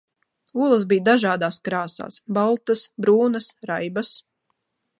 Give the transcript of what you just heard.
Olas bija dažādās krāsās, baltas, brūnas, raibas.